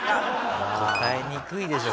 答えにくいでしょ